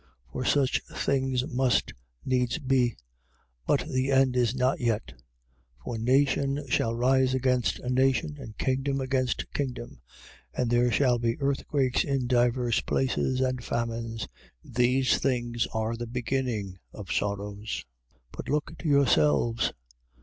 For such things must needs be: but the end is not yet. 13:8. For nation shall rise against nation and kingdom against kingdom: and there shall be earthquakes in divers places and famines. These things are the beginning of sorrows. 13:9. But look to yourselves.